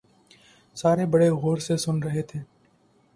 سارے بڑے غور سے سن رہے تھے